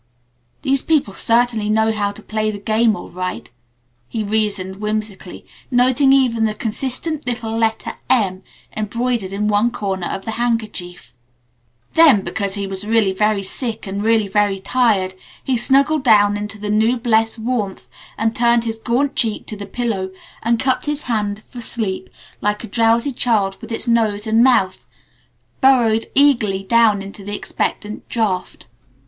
"These people certainly know how to play the game all right," he reasoned whimsically, noting even the consistent little letter "M" embroidered in one corner of the handkerchief. Then, because he was really very sick and really very tired, he snuggled down into the new blessed warmth and turned his gaunt cheek to the pillow and cupped his hand for sleep like a drowsy child with its nose and mouth burrowed eagerly down into the expectant draught.